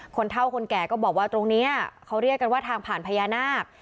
เท่าคนแก่ก็บอกว่าตรงนี้เขาเรียกกันว่าทางผ่านพญานาค